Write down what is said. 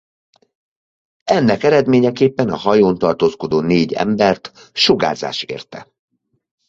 Ennek eredményeképpen a hajón tartózkodó négy embert sugárzás érte.